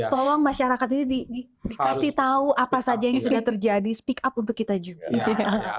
tolong masyarakat ini dikasih tahu apa saja yang sudah terjadi speak up untuk kita juga